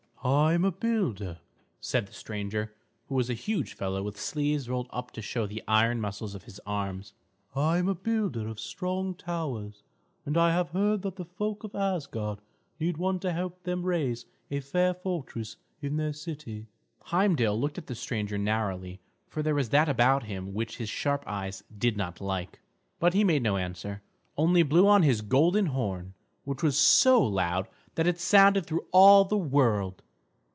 "I am a builder," said the stranger, who was a huge fellow with sleeves rolled up to show the iron muscles of his arms. "I am a builder of strong towers, and I have heard that the folk of Asgard need one to help them raise a fair fortress in their city." Heimdal looked at the stranger narrowly, for there was that about him which his sharp eyes did not like. But he made no answer, only blew on his golden horn, which was so loud that it sounded through all the world.